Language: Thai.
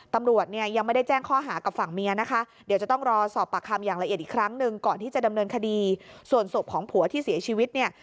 ตำรวจเนี่ยยังไม่ได้แจ้งข้อหากับฝั่งเมียนะคะเดี๋ยวจะต้องรอสอบปากคำอย่างละเอียดอีกครั้งหนึ่งก่อนที่จะดำเนินคดีส่วนศพของผัวที่เสียชีวิตเนี่ย